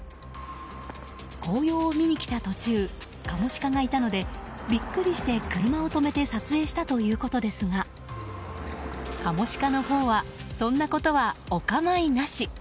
紅葉を見に来た途中カモシカがいたのでビックリして車を止めて撮影したということですがカモシカのほうはそんなことは、お構いなし。